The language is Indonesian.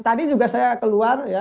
tadi juga saya keluar ya